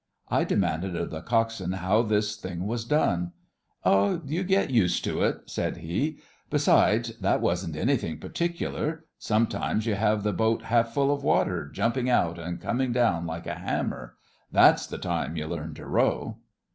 I demanded of the coxswain how this thing was done. 'Oh, you get used to it,' said he. 'Besides, that wasn't anything particular. Sometimes you have the boat half full of water, jumping out and coming down like a hammer. That's the time you learn to row.